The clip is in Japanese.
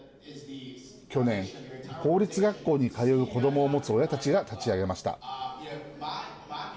去年、法律学校に通う子どもを持つ親たちが立ち上げました。